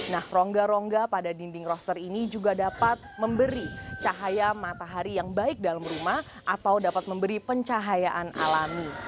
nah rongga rongga pada dinding roster ini juga dapat memberi cahaya matahari yang baik dalam rumah atau dapat memberi pencahayaan alami